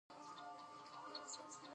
یوه ماشوم د خپلې ملغلرې رسۍ جوړوله.